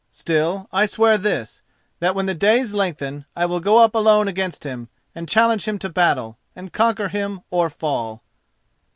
Still, I swear this, that, when the days lengthen, I will go up alone against him and challenge him to battle, and conquer him or fall."